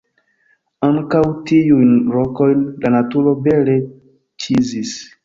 Ankaŭ tiujn rokojn la naturo bele ĉizis.